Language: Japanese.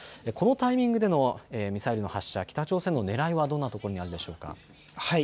このタイミングでのミサイルの発射、北朝鮮のねらいはどんなところにあるのでしょうか。